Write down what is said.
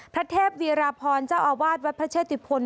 พระเทพวีราพรเจ้าอาวาสวัดพระเชติพล